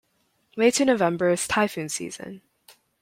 May to November is typhoon season.